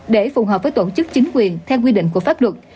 để phù hợp với tổ chức chính quyền theo quy định của pháp luật